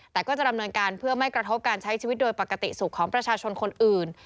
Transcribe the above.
แต่ก็จะดำเนินการเพื่อไม่กระทบการใช้ชีวิตโดยปกติสุขของประชาชนคนอื่น